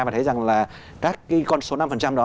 và thấy rằng là các con số năm đó